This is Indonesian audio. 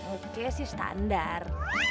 oke sih standar